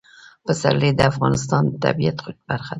پسرلی د افغانستان د طبیعت برخه ده.